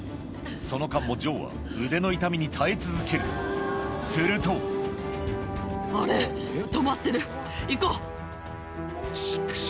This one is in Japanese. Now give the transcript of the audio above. その間もジョーは腕の痛みに耐え続けるすると行こう！